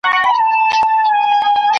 قانون د نظم ساتونکی دی.